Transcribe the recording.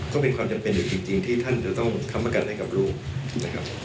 ก็มีความจำเป็นอยู่จริงที่ท่านจะต้องค้ำประกันให้กับลูกนะครับ